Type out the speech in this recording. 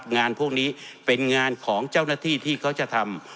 งานพวกนี้เป็นงานของเจ้าหน้าที่ที่เขาจะทำ